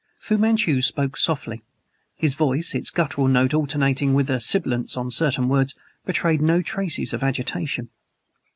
Fu Manchu spoke softly. His voice, its guttural note alternating with a sibilance on certain words, betrayed no traces of agitation.